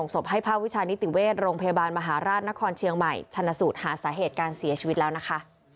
สวัสดีครับ